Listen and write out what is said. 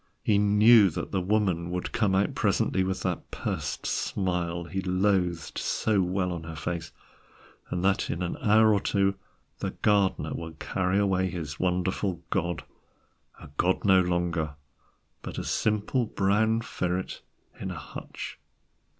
He knew that the Woman would come out presently with that pursed smile he loathed so well on her face, and that in an hour or two the gardener would carry away his wonderful god, a god no longer, but a simple brown ferret in a hutch.